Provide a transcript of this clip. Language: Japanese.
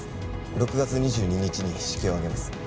６月２２日に式を挙げます。